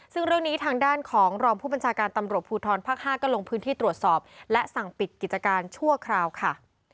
ซึ่งเรื่องนี้ทางด้านของรองผู้บัญชาการตำรวจภูทรภาค๕ก็ลงพื้นที่ตรวจสอบและสั่งปิดกิจการชั่วคราวค่ะ